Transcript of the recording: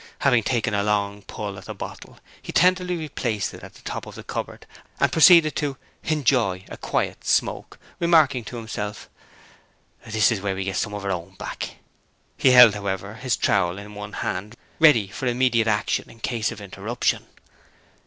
Having taken a long pull at the bottle, he tenderly replaced it on the top of the cupboard and proceeded to 'hinjoy' a quiet smoke, remarking to himself: 'This is where we get some of our own back.' He held, however, his trowel in one hand, ready for immediate action in case of interruption.